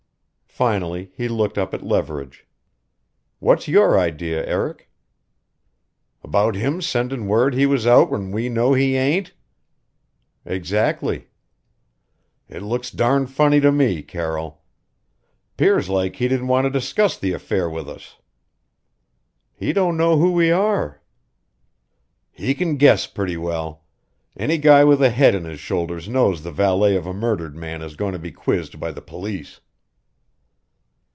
Finally he looked up at Leverage. "What's your idea, Eric?" "About him sendin' word he was out when we know he ain't?" "Exactly." "It looks darn funny to me, Carroll! 'Pears like he didn't want to discuss the affair with us." "He don't know who we are." "He can guess pretty well. Any guy with a head on his shoulders knows the valet of a murdered man is going to be quizzed by the police."